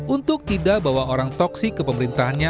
untuk tidak bawa orang toksik ke pemerintahannya